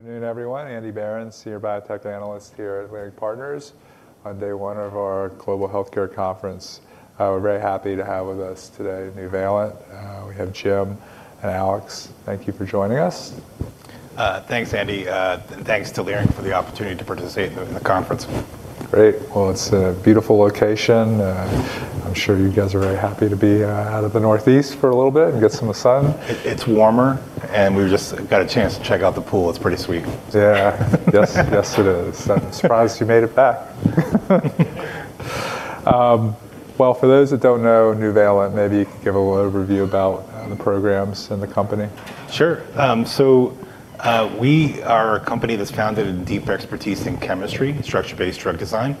Good afternoon, everyone. Andy Berens, Senior Biotech Analyst here at Leerink Partners on day one of our Global Healthcare Conference. We're very happy to have with us today Nuvalent. We have Jim and Alex. Thank you for joining us. Thanks, Andy. Thanks to Leerink for the opportunity to participate in the conference. Great. Well, it's a beautiful location. I'm sure you guys are very happy to be out of the Northeast for a little bit and get some of the sun. It's warmer, and we just got a chance to check out the pool. It's pretty sweet. Yeah. Yes, yes, it is. I'm surprised you made it back. Well, for those that don't know Nuvalent, maybe you could give a little overview about the programs and the company. Sure. We are a company that's founded in deep expertise in chemistry, structure-based drug design.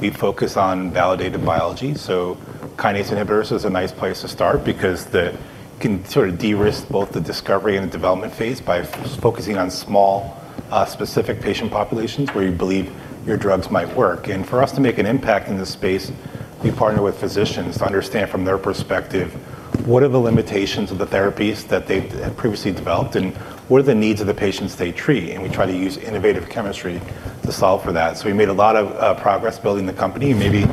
We focus on validated biology, kinase inhibitors is a nice place to start because they can sort of de-risk both the discovery and the development phase by focusing on small, specific patient populations where you believe your drugs might work. For us to make an impact in this space, we partner with physicians to understand from their perspective, what are the limitations of the therapies that they've previously developed and what are the needs of the patients they treat, and we try to use innovative chemistry to solve for that. We made a lot of progress building the company, and maybe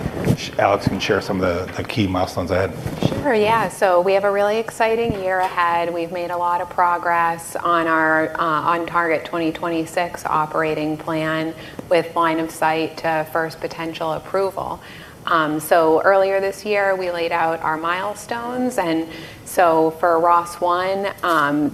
Alex can share some of the key milestones ahead. Sure. Yeah. We have a really exciting year ahead. We've made a lot of progress on our OnTarget 2026 operating plan with line of sight to first potential approval. Earlier this year, we laid out our milestones. For ROS1,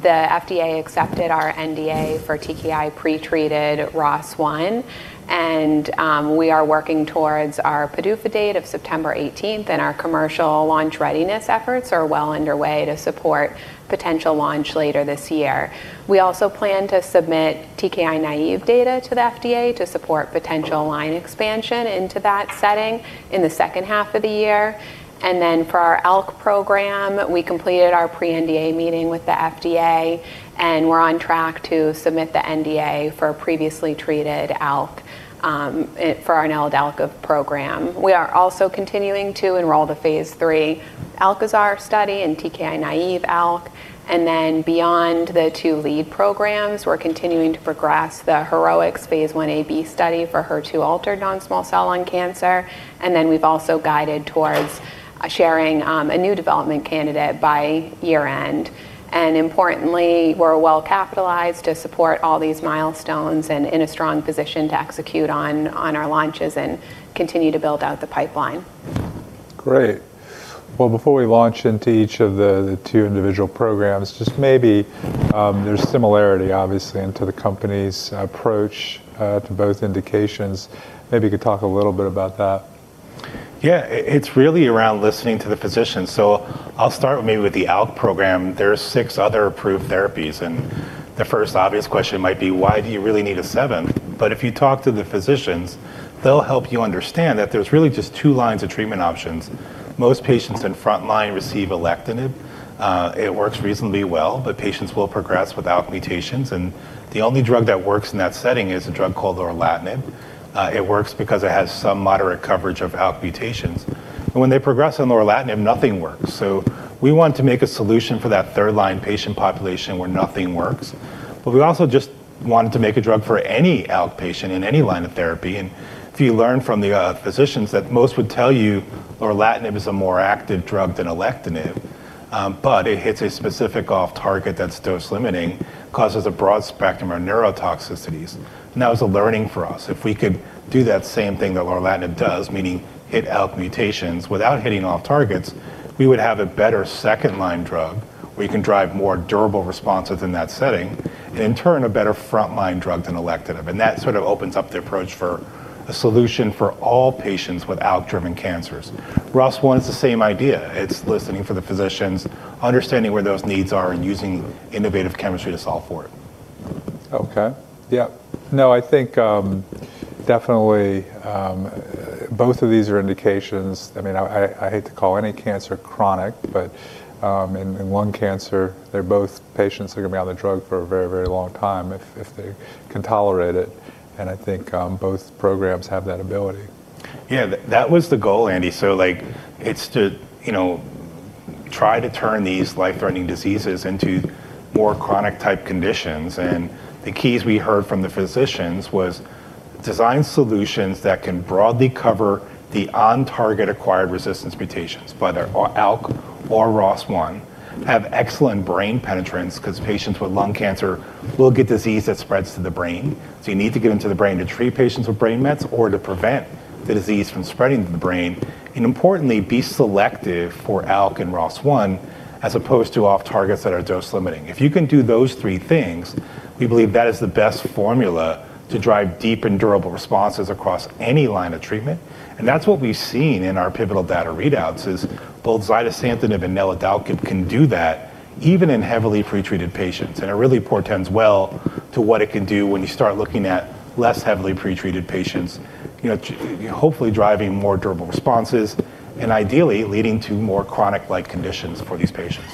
the FDA accepted our NDA for TKI-pretreated ROS1, and we are working towards our PDUFA date of September 18th, and our commercial launch readiness efforts are well underway to support potential launch later this year. We also plan to submit TKI-naive data to the FDA to support potential line expansion into that setting in the second half of the year. For our ALK program, we completed our pre-NDA meeting with the FDA, and we're on track to submit the NDA for previously treated ALK for our neladalkib program. We are also continuing to enroll the phase III ALKAZAR study in TKI-naive ALK, and then beyond the two lead programs, we're continuing to progress the HEROEX-1 phase I-A/I-B study for HER2-altered non-small cell lung cancer, and then we've also guided towards sharing a new development candidate by year-end. Importantly, we're well-capitalized to support all these milestones and in a strong position to execute on our launches and continue to build out the pipeline. Great. Well, before we launch into each of the two individual programs, just maybe, there's similarity obviously into the company's approach to both indications. Maybe you could talk a little bit about that. Yeah. It's really around listening to the physicians. I'll start maybe with the ALK program. There's six other approved therapies, and the first obvious question might be, why do you really need a seventh? If you talk to the physicians, they'll help you understand that there's really just two lines of treatment options. Most patients in front line receive alectinib. It works reasonably well, but patients will progress without mutations, and the only drug that works in that setting is a drug called lorlatinib. It works because it has some moderate coverage of ALK mutations. When they progress on lorlatinib, nothing works. We want to make a solution for that 3rd line patient population where nothing works. We also just wanted to make a drug for any ALK patient in any line of therapy. If you learn from the physicians that most would tell you lorlatinib is a more active drug than alectinib, but it hits a specific off target that's dose-limiting, causes a broad spectrum of neurotoxicities. That was a learning for us. If we could do that same thing that lorlatinib does, meaning hit ALK mutations without hitting off targets, we would have a better second line drug. We can drive more durable responses in that setting, in turn, a better frontline drug than alectinib. That sort of opens up the approach for a solution for all patients with ALK-driven cancers. ROS1 is the same idea. It's listening for the physicians, understanding where those needs are and using innovative chemistry to solve for it. Okay. Yeah. No, I think, definitely, both of these are indications. I mean, I hate to call any cancer chronic, but in lung cancer, they're both patients who are gonna be on the drug for a very, very long time if they can tolerate it, and I think both programs have that ability. Yeah. That was the goal, Andy. Like, it's to, you know, try to turn these life-threatening diseases into more chronic type conditions. The keys we heard from the physicians was design solutions that can broadly cover the on-target acquired resistance mutations, whether ALK or ROS1, have excellent brain penetrance because patients with lung cancer will get disease that spreads to the brain. You need to get into the brain to treat patients with brain mets or to prevent the disease from spreading to the brain, and importantly, be selective for ALK and ROS1 as opposed to off targets that are dose limiting. If you can do those three things, we believe that is the best formula to drive deep and durable responses across any line of treatment. That's what we've seen in our pivotal data readouts is both zidesamtinib and neladalkib can do that even in heavily pretreated patients, and it really portends well to what it can do when you start looking at less heavily pretreated patients, you know, hopefully driving more durable responses and ideally leading to more chronic-like conditions for these patients.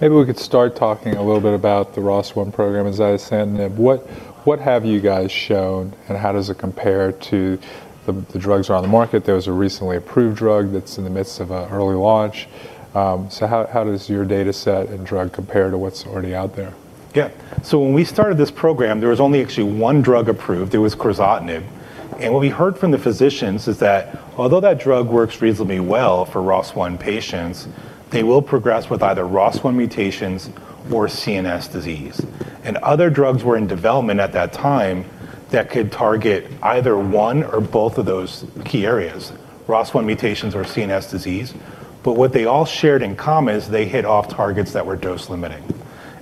Maybe we could start talking a little bit about the ROS1 program and zidesamtinib. What have you guys shown, and how does it compare to the drugs that are on the market? There was a recently approved drug that's in the midst of a early launch. How does your data set and drug compare to what's already out there? Yeah. When we started this program, there was only actually one drug approved, there was crizotinib. What we heard from the physicians is that although that drug works reasonably well for ROS1 patients, they will progress with either ROS1 mutations or CNS disease. Other drugs were in development at that time that could target either one or both of those key areas, ROS1 mutations or CNS disease. What they all shared in common is they hit off targets that were dose-limiting.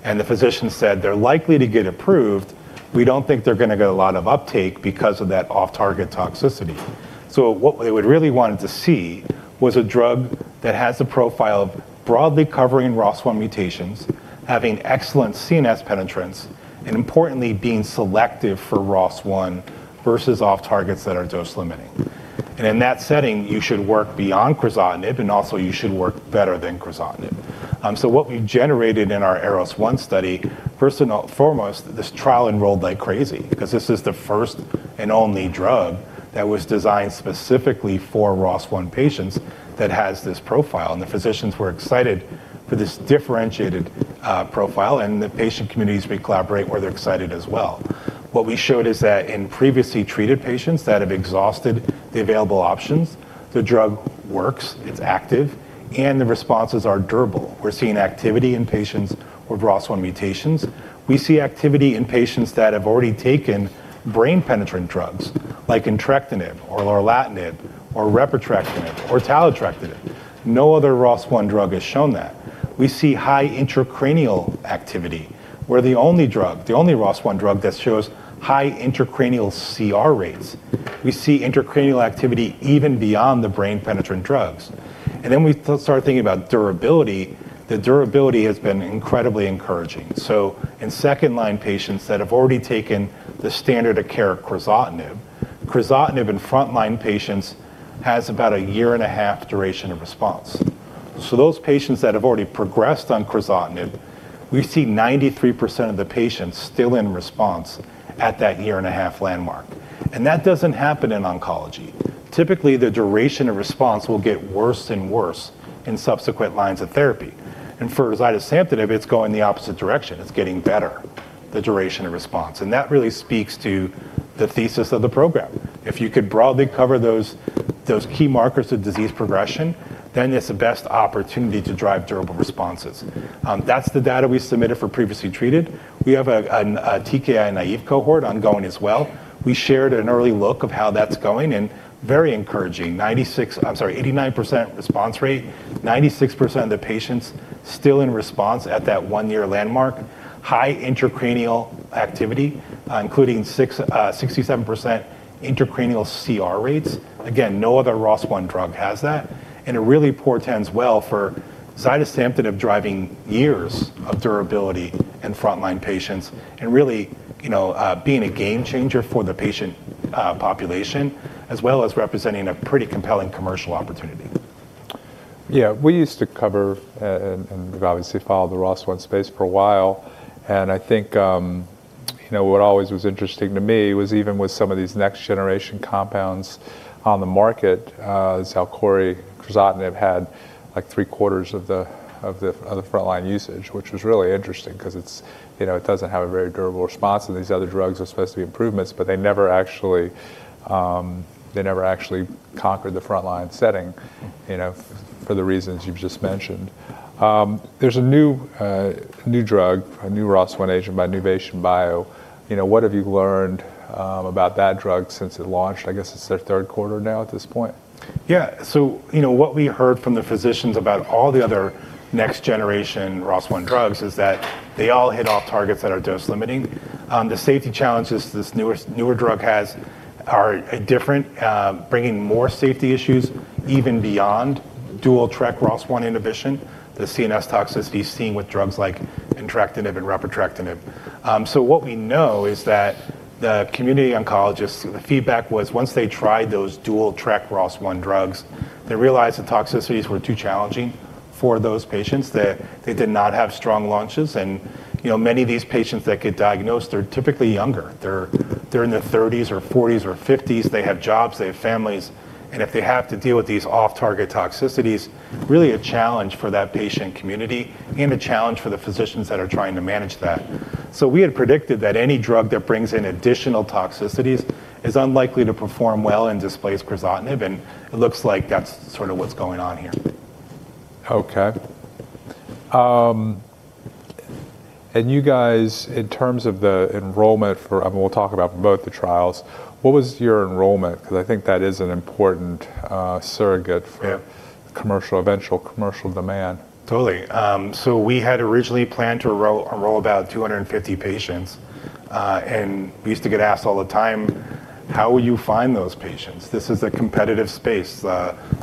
The physicians said, "They're likely to get approved. We don't think they're gonna get a lot of uptake because of that off-target toxicity." What they would really wanted to see was a drug that has the profile of broadly covering ROS1 mutations, having excellent CNS penetrance, and importantly, being selective for ROS1 versus off targets that are dose limiting. In that setting, you should work beyond crizotinib, and also you should work better than crizotinib. What we generated in our ARROS-1 study, first and foremost, this trial enrolled like crazy because this is the first and only drug that was designed specifically for ROS1 patients that has this profile. The physicians were excited for this differentiated profile, and the patient communities we collaborate where they're excited as well. What we showed is that in previously treated patients that have exhausted the available options, the drug works, it's active, and the responses are durable. We're seeing activity in patients with ROS1 mutations. We see activity in patients that have already taken brain-penetrant drugs like entrectinib or lorlatinib or repotrectinib or taletrectinib. No other ROS1 drug has shown that. We see high intracranial activity. We're the only drug, the only ROS1 drug that shows high intracranial CR rates. We see intracranial activity even beyond the brain-penetrant drugs. We start thinking about durability. The durability has been incredibly encouraging. In second-line patients that have already taken the standard of care crizotinib in frontline patients has about a year and a half duration of response. Those patients that have already progressed on crizotinib, we see 93% of the patients still in response at that year and a half landmark. That doesn't happen in oncology. Typically, the duration of response will get worse and worse in subsequent lines of therapy. For zidesamtinib, it's going the opposite direction. It's getting better, the duration of response. That really speaks to the thesis of the program. If you could broadly cover those key markers of disease progression, then it's the best opportunity to drive durable responses. That's the data we submitted for previously treated. We have a TKI-naive cohort ongoing as well. We shared an early look of how that's going, and very encouraging. 89% response rate, 96% of the patients still in response at that one-year landmark. High intracranial activity, including 67% intracranial CR rates. Again, no other ROS1 drug has that, and it really portends well for zidesamtinib driving years of durability in frontline patients and really, you know, being a game changer for the patient population, as well as representing a pretty compelling commercial opportunity. Yeah. We used to cover, and obviously follow the ROS1 space for a while. I think, you know, what always was interesting to me was even with some of these next-generation compounds on the market, is how Xalkori, crizotinib had like three-quarters of the frontline usage, which was really interesting 'cause it's, you know, it doesn't have a very durable response. These other drugs are supposed to be improvements. They never actually conquered the frontline setting, you know, for the reasons you've just mentioned. There's a new, a new drug, a new ROS1 agent by Nuvation Bio. You know, what have you learned about that drug since it launched? I guess it's their third quarter now at this point. Yeah. You know, what we heard from the physicians about all the other next-generation ROS1 drugs is that they all hit off targets that are dose limiting. The safety challenges this newer drug has are different, bringing more safety issues even beyond dual TRK/ROS1 inhibition, the CNS toxicities seen with drugs like entrectinib and repotrectinib. What we know is that the community oncologists, the feedback was once they tried those dual TRK/ROS1 drugs, they realized the toxicities were too challenging for those patients, that they did not have strong launches. You know, many of these patients that get diagnosed are typically younger. They're, they're in their 30s or 40s or 50s. They have jobs, they have families, and if they have to deal with these off-target toxicities, really a challenge for that patient community and a challenge for the physicians that are trying to manage that. We had predicted that any drug that brings in additional toxicities is unlikely to perform well and displace crizotinib, and it looks like that's sort of what's going on here. Okay. You guys, in terms of the enrollment, we'll talk about both the trials, what was your enrollment? 'Cause I think that is an important surrogate commercial eventual commercial demand. Totally. We had originally planned to enroll about 250 patients. We used to get asked all the time, "How will you find those patients?" This is a competitive space.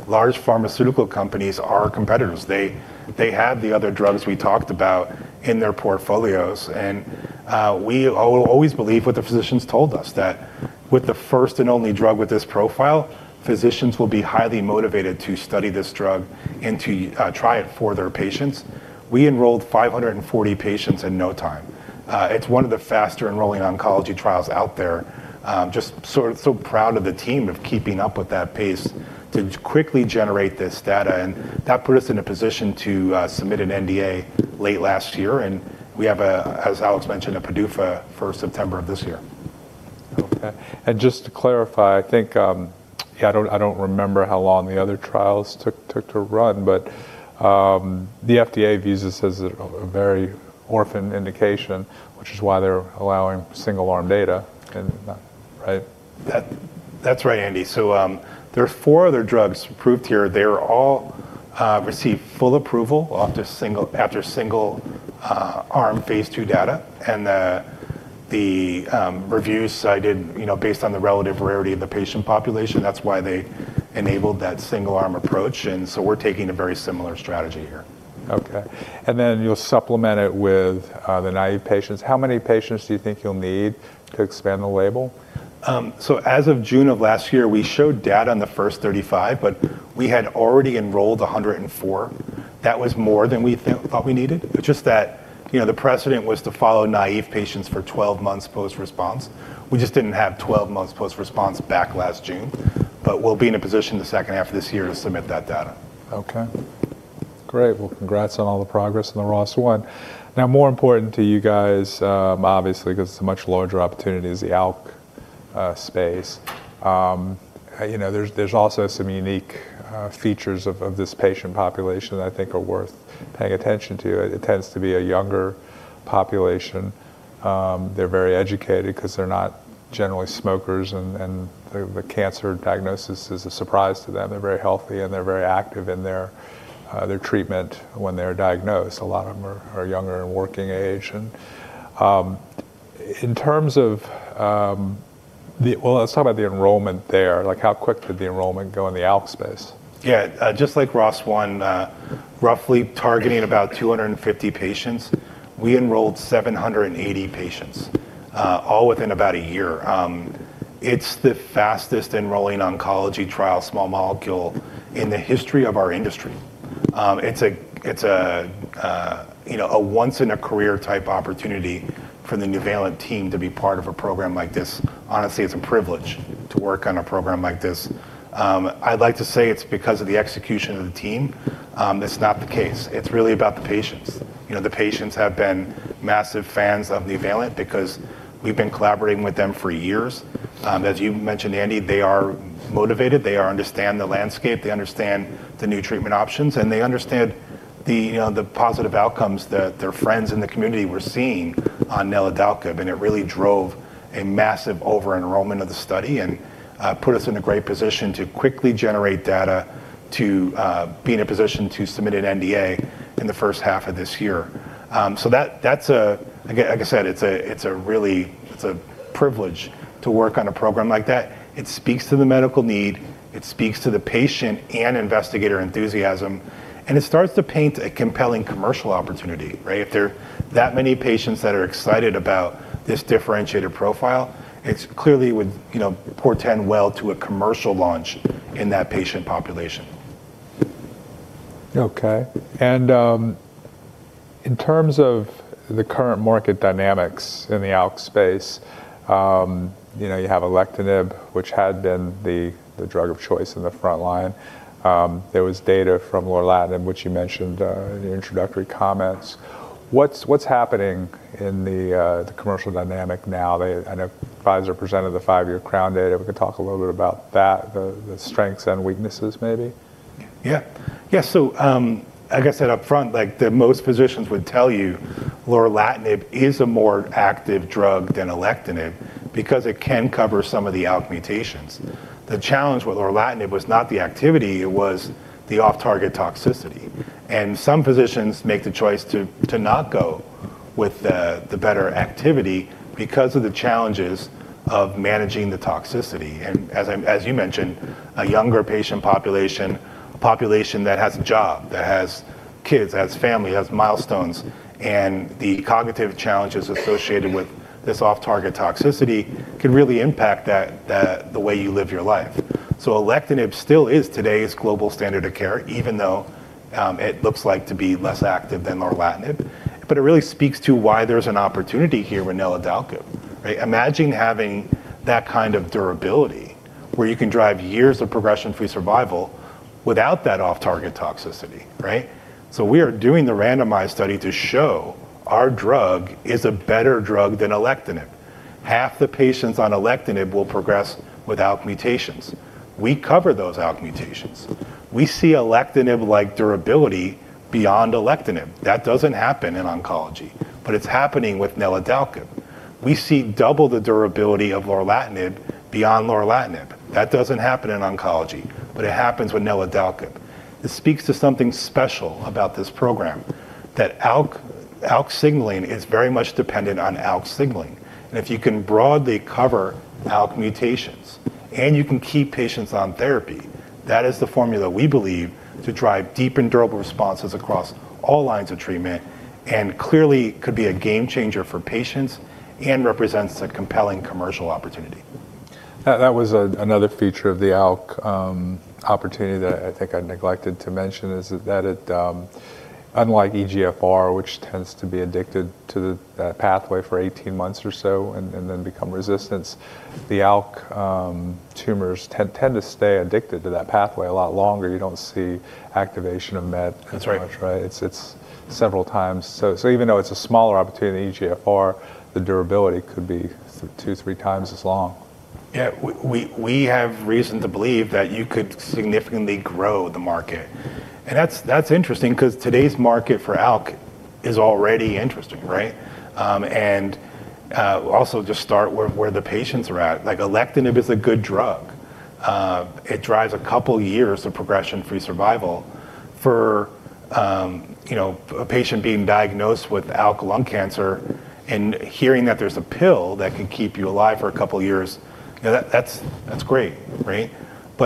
Large pharmaceutical companies are competitors. They have the other drugs we talked about in their portfolios. We always believed what the physicians told us, that with the first and only drug with this profile, physicians will be highly motivated to study this drug and to try it for their patients. We enrolled 540 patients in no time. It's one of the faster enrolling oncology trials out there. Just sort of so proud of the team of keeping up with that pace to quickly generate this data. That put us in a position to submit an NDA late last year. We have a, as Alex mentioned, a PDUFA for September of this year. Okay. Just to clarify, I think, yeah, I don't, I don't remember how long the other trials took to run, but the FDA views this as a very orphan indication, which is why they're allowing single arm data and, right? That's right, Andy. There are four other drugs approved here. They were all received full approval off just after single arm phase II data. The reviews cited, you know, based on the relative rarity of the patient population, that's why they enabled that single arm approach, so we're taking a very similar strategy here. Okay. Then you'll supplement it with the naive patients. How many patients do you think you'll need to expand the label? As of June of last year, we showed data on the first 35, but we had already enrolled 104. That was more than we thought we needed. It's just that, you know, the precedent was to follow naive patients for 12 months post-response. We just didn't have 12 months post-response back last June. We'll be in a position the second half of this year to submit that data. Okay. Great. Well, congrats on all the progress in the ROS1. More important to you guys, obviously, 'cause it's a much larger opportunity, is the ALK space. You know, there's also some unique features of this patient population that I think are worth paying attention to. It tends to be a younger population. They're very educated 'cause they're not generally smokers and the cancer diagnosis is a surprise to them. They're very healthy and they're very active in their treatment when they're diagnosed. A lot of them are younger and working age. In terms of, well, let's talk about the enrollment there. Like, how quick did the enrollment go in the ALK space? Yeah. Just like ROS1, roughly targeting about 250 patients, we enrolled 780 patients, all within about a year. It's the fastest enrolling oncology trial small molecule in the history of our industry. It's a, you know, a once in a career type opportunity for the Nuvalent team to be part of a program like this. Honestly, it's a privilege to work on a program like this. I'd like to say it's because of the execution of the team. That's not the case. It's really about the patients. You know, the patients have been massive fans of Nuvalent because we've been collaborating with them for years. As you mentioned, Andy, they are motivated. They understand the landscape, they understand the new treatment options, and they understand the, you know, the positive outcomes that their friends in the community were seeing on neladalkib, and it really drove a massive over-enrollment of the study and put us in a great position to quickly generate data to be in a position to submit an NDA in the first half of this year. That's a... Again, like I said, it's a privilege to work on a program like that. It speaks to the medical need, it speaks to the patient and investigator enthusiasm, and it starts to paint a compelling commercial opportunity, right? If there are that many patients that are excited about this differentiated profile, it's clearly would, you know, portend well to a commercial launch in that patient population. Okay. In terms of the current market dynamics in the ALK space, you know, you have alectinib, which had been the drug of choice in the front line. There was data from lorlatinib, which you mentioned, in the introductory comments. What's happening in the commercial dynamic now? I know Pfizer presented the five-year CROWN data. We can talk a little bit about that, the strengths and weaknesses maybe. Yeah. Yeah. Like I said up front, like most physicians would tell you lorlatinib is a more active drug than alectinib because it can cover some of the ALK mutations. The challenge with lorlatinib was not the activity, it was the off-target toxicity. Some physicians make the choice to not go with the better activity because of the challenges of managing the toxicity. As you mentioned, a younger patient population, a population that has a job, that has kids, has family, has milestones, and the cognitive challenges associated with this off-target toxicity can really impact that the way you live your life. Alectinib still is today's global standard of care, even though it looks like to be less active than lorlatinib, but it really speaks to why there's an opportunity here with neladalkib, right? Imagine having that kind of durability where you can drive years of progression-free survival without that off-target toxicity, right? We are doing the randomized study to show our drug is a better drug than alectinib. Half the patients on alectinib will progress without mutations. We cover those ALK mutations. We see alectinib-like durability beyond alectinib. That doesn't happen in oncology, but it's happening with neladalkib. We see double the durability of lorlatinib beyond lorlatinib. That doesn't happen in oncology, but it happens with neladalkib. This speaks to something special about this program, that ALK signaling is very much dependent on ALK signaling. If you can broadly cover ALK mutations and you can keep patients on therapy, that is the formula we believe to drive deep and durable responses across all lines of treatment, and clearly could be a game changer for patients and represents a compelling commercial opportunity. That was another feature of the ALK opportunity that I think I neglected to mention, is that it unlike EGFR, which tends to be addicted to that pathway for 18 months or so and then become resistant, the ALK tumors tend to stay addicted to that pathway a lot longer. You don't see activation of MET. That's right.... as much, right? It's, it's several times. Even though it's a smaller opportunity in EGFR, the durability could be two, three times as long. Yeah, we have reason to believe that you could significantly grow the market. That's interesting 'cause today's market for ALK is already interesting, right? Also just start where the patients are at. Like Alectinib is a good drug. It drives a couple years of progression-free survival for, you know, a patient being diagnosed with ALK lung cancer and hearing that there's a pill that could keep you alive for two years, you know, that's great, right?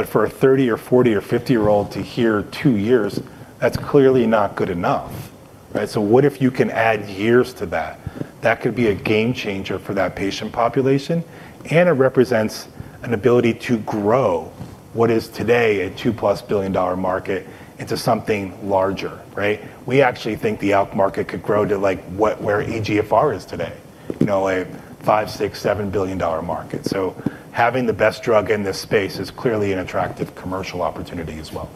For a 30 or 40 or 50-year-old to hear two years, that's clearly not good enough, right? What if you can add years to that? That could be a game changer for that patient population, and it represents an ability to grow what is today a $2+ billion market into something larger, right? We actually think the ALK market could grow to like where EGFR is today. You know, a 5, 6, $7 billion-dollar market. Having the best drug in this space is clearly an attractive commercial opportunity as well.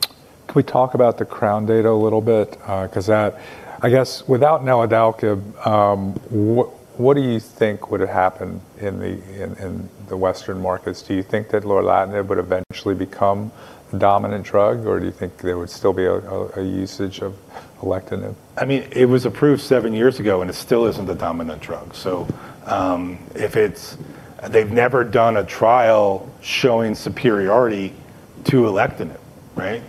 Can we talk about the CROWN data a little bit? I guess without neladalkib, what do you think would have happened in the Western markets? Do you think that lorlatinib would eventually become the dominant drug or do you think there would still be a usage of alectinib? I mean, it was approved seven years ago, it still isn't the dominant drug. They've never done a trial showing superiority to alectinib, right?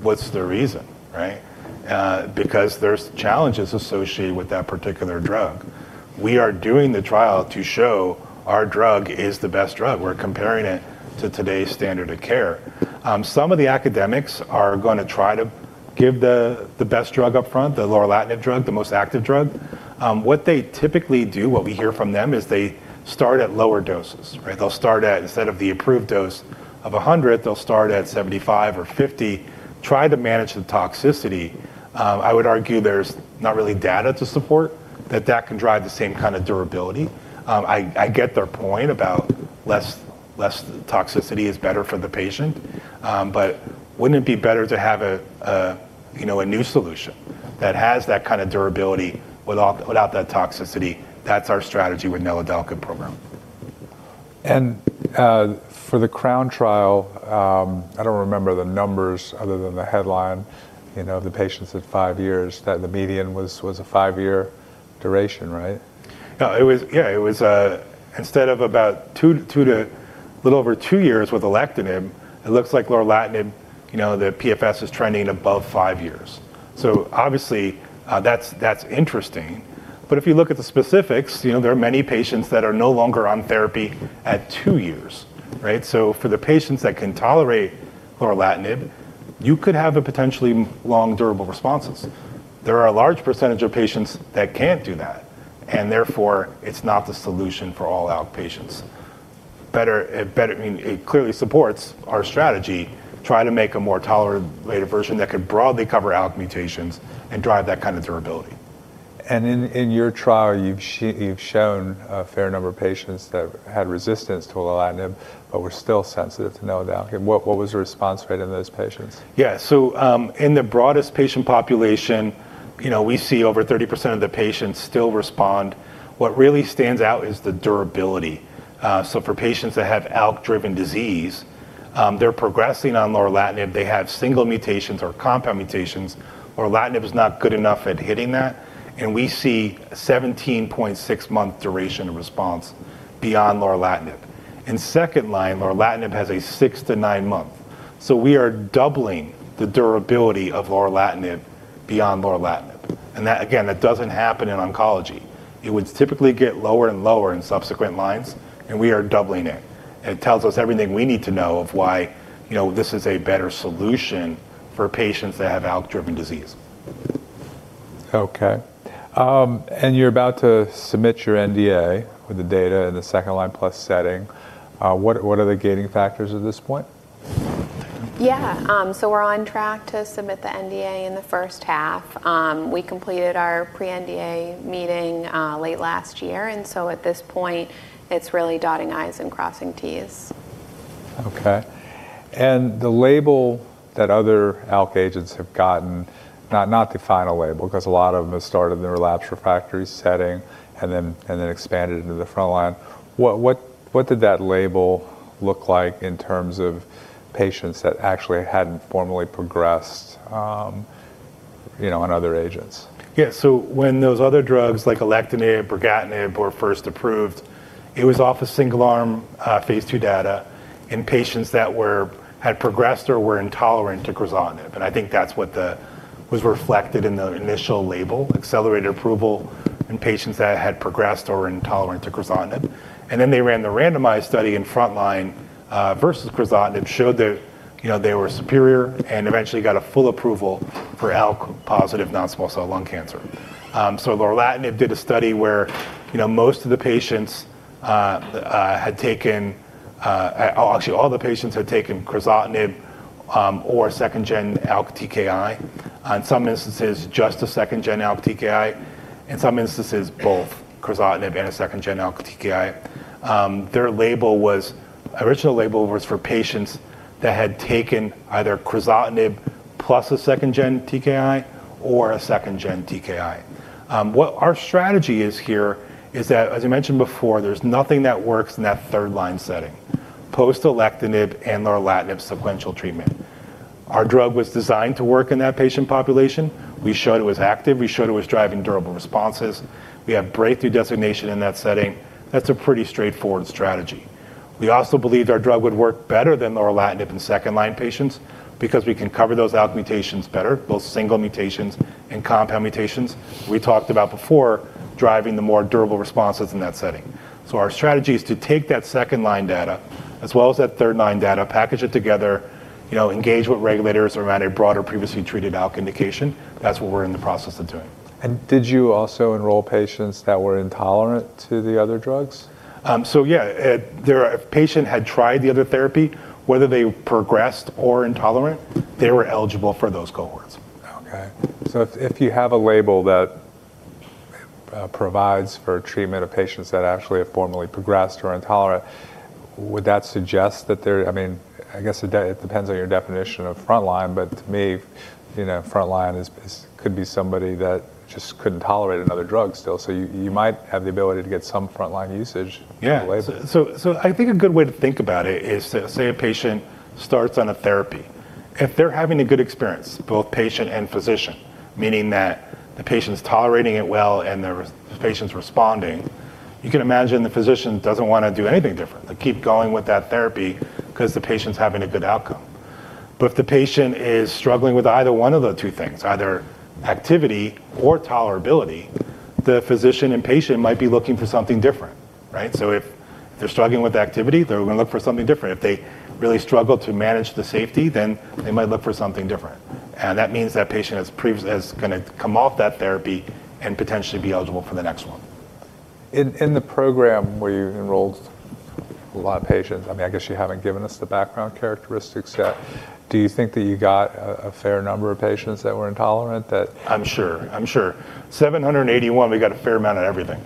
What's the reason, right? Because there's challenges associated with that particular drug. We are doing the trial to show our drug is the best drug. We're comparing it to today's standard of care. Some of the academics are gonna try to give the best drug up front, the lorlatinib drug, the most active drug. What they typically do, what we hear from them, is they start at lower doses, right? They'll start at, instead of the approved dose of 100, they'll start at 75 or 50, try to manage the toxicity. I would argue there's not really data to support that that can drive the same kinda durability. I get their point about less toxicity is better for the patient, wouldn't it be better to have a, you know, a new solution that has that kind of durability without that toxicity? That's our strategy with neladalkib program. For the CROWN trial, I don't remember the numbers other than the headline, you know, the patients at five years, that the median was a five-year duration, right? No, it was. Yeah, it was instead of about two to little over two years with alectinib, it looks like lorlatinib, you know, the PFS is trending above five years. Obviously, that's interesting. If you look at the specifics, you know, there are many patients that are no longer on therapy at two years, right? For the patients that can tolerate lorlatinib, you could have a potentially long durable responses. There are a large percentage of patients that can't do that, and therefore, it's not the solution for all ALK patients. Better it, I mean, it clearly supports our strategy, try to make a more tolerated version that could broadly cover ALK mutations and drive that kind of durability. In your trial, you've shown a fair number of patients that had resistance to lorlatinib but were still sensitive to neladalkib. What was the response rate in those patients? Yeah. In the broadest patient population, you know, we see over 30% of the patients still respond. What really stands out is the durability. For patients that have ALK-driven disease, they're progressing on lorlatinib. They have single mutations or compound mutations. Lorlatinib is not good enough at hitting that. We see a 17.6-month duration of response beyond lorlatinib. In second-line, lorlatinib has a six to nine month. We are doubling the durability of lorlatinib beyond lorlatinib. That, again, that doesn't happen in oncology. It would typically get lower and lower in subsequent lines. We are doubling it. It tells us everything we need to know of why, you know, this is a better solution for patients that have ALK-driven disease. Okay. You're about to submit your NDA with the data in the second-line plus setting. What are the gating factors at this point? Yeah. We're on track to submit the NDA in the first half. We completed our pre-NDA meeting, late last year, and so at this point, it's really dotting I's and crossing T's. Okay. The label that other ALK agents have gotten, not the final label, 'cause a lot of them have started in the relapsed refractory setting and then expanded into the front line. What did that label look like in terms of patients that actually hadn't formally progressed, you know, on other agents? Yeah. When those other drugs like alectinib, brigatinib were first approved, it was off a single-arm, phase II data in patients that had progressed or were intolerant to crizotinib. I think that's what was reflected in the initial label, accelerated approval in patients that had progressed or were intolerant to crizotinib. They ran the randomized study in front line versus crizotinib, showed that, you know, they were superior and eventually got a full approval for ALK-positive non-small cell lung cancer. Lorlatinib did a study where, you know, most of the patients, actually all the patients had taken crizotinib or second-gen ALK TKI. On some instances, just a second-gen ALK TKI. In some instances, both crizotinib and a second-gen ALK TKI. Original label was for patients that had taken either crizotinib plus a second-gen TKI or a second-gen TKI. What our strategy is here is that, as you mentioned before, there's nothing that works in that third-line setting, post-alectinib and lorlatinib sequential treatment. Our drug was designed to work in that patient population. We showed it was active. We showed it was driving durable responses. We have breakthrough designation in that setting. That's a pretty straightforward strategy. We also believed our drug would work better than lorlatinib in second-line patients because we can cover those ALK mutations better, both single mutations and compound mutations. We talked about before driving the more durable responses in that setting. Our strategy is to take that second-line data as well as that third-line data, package it together, you know, engage with regulators around a broader previously treated ALK indication. That's what we're in the process of doing. Did you also enroll patients that were intolerant to the other drugs? Yeah. If a patient had tried the other therapy, whether they progressed or intolerant, they were eligible for those cohorts. Okay. If, if you have a label that provides for treatment of patients that actually have formally progressed or are intolerant, would that suggest, I mean, I guess it depends on your definition of frontline, but to me, you know, frontline is could be somebody that just couldn't tolerate another drug still. You, you might have the ability to get some frontline usage- Yeah. with the label. I think a good way to think about it is say a patient starts on a therapy. If they're having a good experience, both patient and physician, meaning that the patient's tolerating it well and the patient's responding, you can imagine the physician doesn't wanna do anything different. They keep going with that therapy 'cause the patient's having a good outcome. If the patient is struggling with either one of the two things, either activity or tolerability, the physician and patient might be looking for something different, right? If they're struggling with activity, they're gonna look for something different. If they really struggle to manage the safety, they might look for something different. That means that patient is gonna come off that therapy and potentially be eligible for the next one. In the program where you enrolled a lot of patients, I mean, I guess you haven't given us the background characteristics yet. Do you think that you got a fair number of patients that were intolerant? I'm sure. I'm sure. 781, we got a fair amount of everything.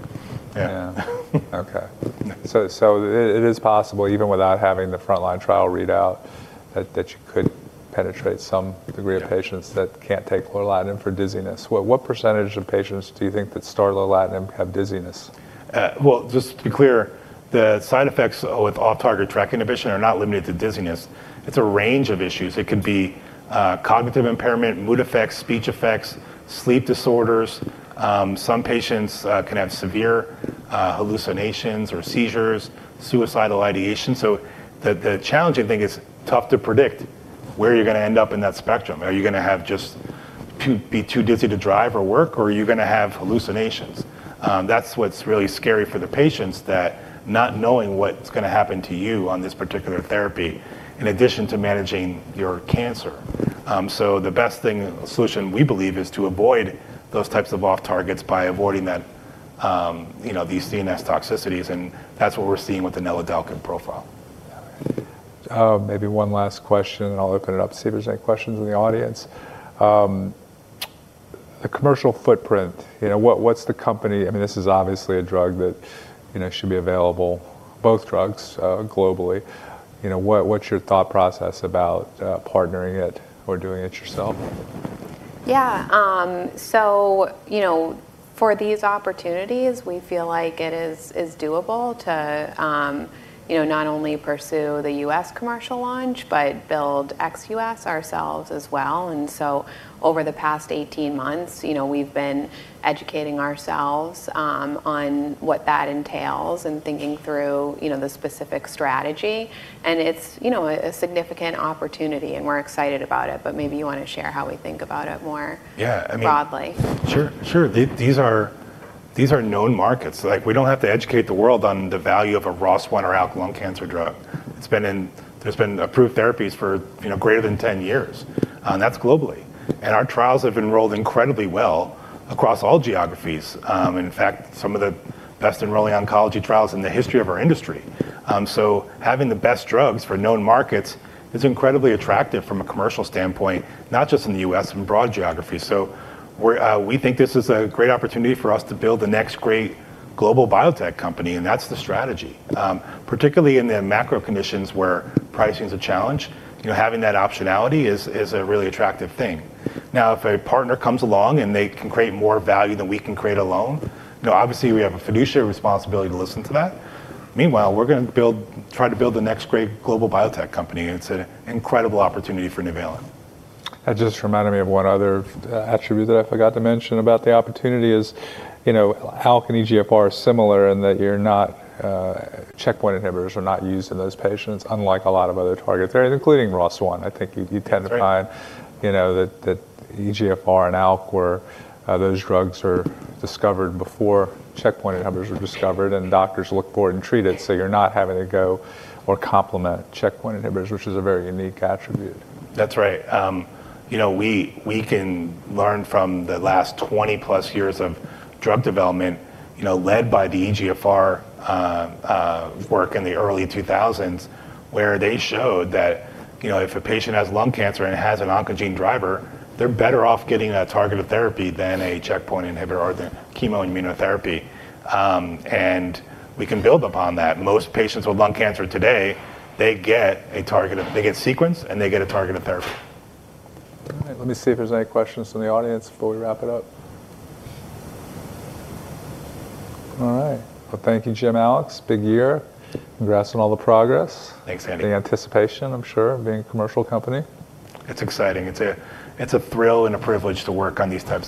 Yeah. Yeah. Okay. It is possible, even without having the frontline trial readout, that you could penetrate some degree of patients that can't take lorlatinib for dizziness. What percentage of patients do you think that start lorlatinib have dizziness? Well, just to be clear, the side effects with off-target TRK inhibition are not limited to dizziness. It's a range of issues. It could be cognitive impairment, mood effects, speech effects, sleep disorders. Some patients can have severe hallucinations or seizures, suicidal ideation. The challenging thing is it's tough to predict where you're gonna end up in that spectrum. Are you gonna be too dizzy to drive or work, or are you gonna have hallucinations? That's what's really scary for the patients, that not knowing what's gonna happen to you on this particular therapy in addition to managing your cancer. The best thing, solution, we believe, is to avoid those types of off targets by avoiding that, you know, these CNS toxicities, and that's what we're seeing with the neladalkib profile. Yeah. Maybe one last question, and I'll open it up to see if there's any questions in the audience. The commercial footprint, you know, what's the company. I mean, this is obviously a drug that, you know, should be available, both drugs, globally. You know, what's your thought process about partnering it or doing it yourself? Yeah. You know, for these opportunities, we feel like it is doable to, you know, not only pursue the U.S. commercial launch, but build ex-U.S. ourselves as well. Over the past 18 months, you know, we've been educating ourselves on what that entails and thinking through, you know, the specific strategy. It's, you know, a significant opportunity, and we're excited about it, but maybe you wanna share how we think about it more. Yeah, I mean. ...broadly. Sure. Sure. These are known markets. Like, we don't have to educate the world on the value of a ROS1 or ALK lung cancer drug. There's been approved therapies for, you know, greater than 10 years, that's globally. Our trials have enrolled incredibly well across all geographies. In fact, some of the best enrolling oncology trials in the history of our industry. Having the best drugs for known markets is incredibly attractive from a commercial standpoint, not just in the U.S., in broad geographies. We think this is a great opportunity for us to build the next great global biotech company, that's the strategy. Particularly in the macro conditions where pricing is a challenge, you know, having that optionality is a really attractive thing. Now, if a partner comes along and they can create more value than we can create alone, you know, obviously we have a fiduciary responsibility to listen to that. Meanwhile, we're gonna try to build the next great global biotech company. It's an incredible opportunity for Nuvalent. That just reminded me of one other attribute that I forgot to mention about the opportunity is, you know, ALK and EGFR are similar in that you're not checkpoint inhibitors are not used in those patients, unlike a lot of other target therapies, including ROS1. That's right. ...you tend to find, you know, that EGFR and ALK were, those drugs were discovered before checkpoint inhibitors were discovered, and doctors look for and treat it, so you're not having to go or complement checkpoint inhibitors, which is a very unique attribute. That's right. you know, we can learn from the last 20+ years of drug development, you know, led by the EGFR work in the early 2000s, where they showed that, you know, if a patient has lung cancer and has an oncogene driver, they're better off getting a targeted therapy than a checkpoint inhibitor or the chemo immunotherapy. We can build upon that. Most patients with lung cancer today, they get sequenced, and they get a targeted therapy. All right. Let me see if there's any questions from the audience before we wrap it up. All right. Well, thank you, Jim, Alex. Big year. Congrats on all the progress. Thanks, Andy. The anticipation, I'm sure, of being a commercial company. It's exciting. It's a thrill and a privilege to work on these types of